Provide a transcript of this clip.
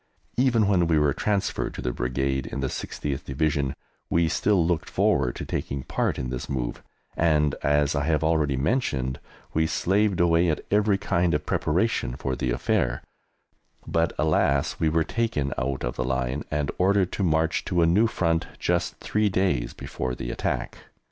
Even when we were transferred to the Brigade in the 60th Division we still looked forward to taking part in this move, and, as I have already mentioned, we slaved away at every kind of preparation for the affair, but, alas, we were taken out of the line, and ordered to march to a new front, just three days before the attack.